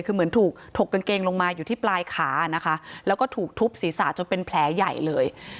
คือเหมือนถูกถกกางเกงลงมาอยู่ที่ปลายขานะคะแล้วก็ถูกทุบศีรษะจนเป็นแผลใหญ่เลย